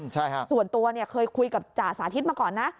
ส่วนตัวเคยคุยกับจ่าสาธิตมาก่อนนะ